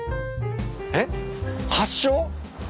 えっ？発祥？